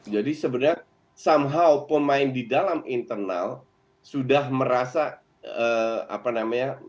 jadi sebenarnya somehow pemain di dalam internal sudah merasa apa namanya